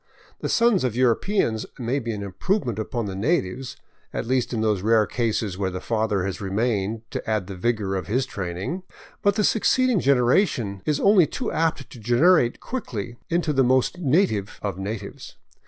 The sons of Europeans may be an improvement upon the natives, at least in those rare cases where the father has remained to add the vigor of his training ; but the succeeding genera tion is only too apt to degenerate quickly into the most native of natives.